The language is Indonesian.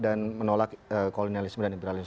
dan menolak kolonialisme dan imperialisme